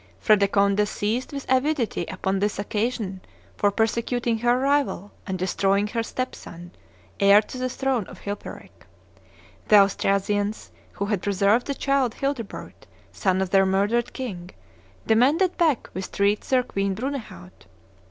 Fredegonde seized with avidity upon this occasion for persecuting her rival and destroying her step son, heir to the throne of Chilperic. The Austrasians, who had preserved the child Childebert, son of their murdered king, demanded back with threats their queen Brunehaut.